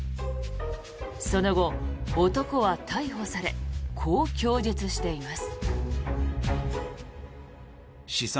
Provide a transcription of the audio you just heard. その後、男は逮捕されこう供述しています。